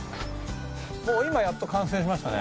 今やっと完成しましたね。